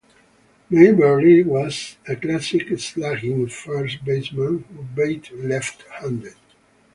Mayberry was a classic slugging first baseman who batted left-handed.